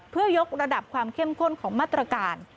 เพื่อยกระดับความเข้มข้นของมาตรการ